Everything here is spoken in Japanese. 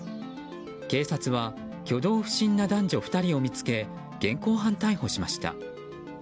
警察は挙動不審な男女２人を見つけ現行犯逮捕しました。